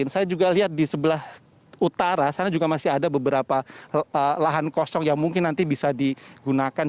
saya juga lihat di sebelah utara sana juga masih ada beberapa lahan kosong yang mungkin nanti bisa digunakan